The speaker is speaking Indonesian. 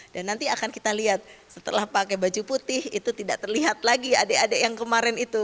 dan nanti akan kita lihat setelah pakai baju putih itu tidak terlihat lagi adik adik yang kemarin itu